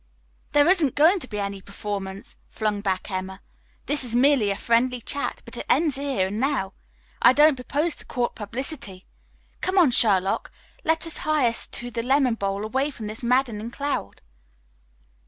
"There isn't going to be any performance," flung back Emma. "This is merely a friendly chat, but it ends here and now. I don't propose to court publicity. Come on, Sherlock, let us hie us to the lemonade bowl away from this madding crowd."